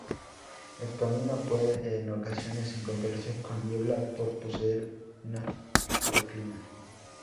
El camino puede en ocasiones encontrarse con niebla por poseer un microclima.